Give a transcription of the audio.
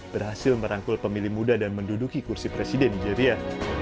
berhasil merangkul pemilih muda dan menduduki kursi presiden nigeria